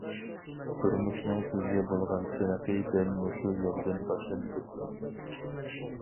تۇرمۇشنىڭ سىزگە بولغان سىنىقى دەل مۇشۇ يەردىن باشلىنىدۇ.